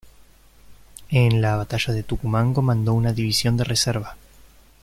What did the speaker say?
En la Batalla de Tucumán comandó una división de reserva.